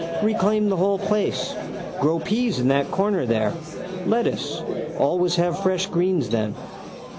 Reclaim the whole place. Grow peas in that corner there. Lettuce. Always have fresh greens then.